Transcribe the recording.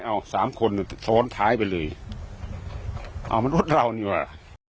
เอาสามคนสอนถ่ายไปเลยเอามารถเรานี่แหละ